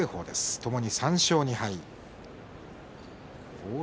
ともに３勝２敗。